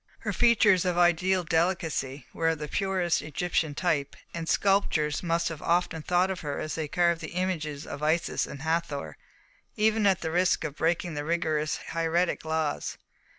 Her features, of ideal delicacy, were of the purest Egyptian type, and sculptors must have often thought of her as they carved the images of Isis and Hathor, even at the risk of breaking the rigorous hieratic laws.